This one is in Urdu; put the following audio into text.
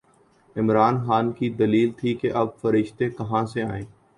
عمران خان کی دلیل تھی کہ اب فرشتے کہاں سے آئیں؟